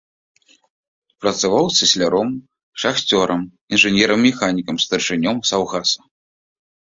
Працаваў цесляром, шахцёрам, інжынерам-механікам, старшынём саўгаса.